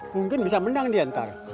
mungkin bisa menang dia ntar